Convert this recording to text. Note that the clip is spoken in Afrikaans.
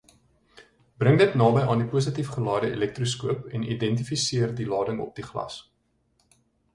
Bring dit naby aan die positiefgelaaide elektroskoop en identifiseer die lading op die glas.